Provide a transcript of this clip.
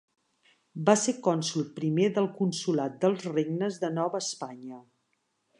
Va ser cònsol primer del consolat dels Regnes de Nova Espanya.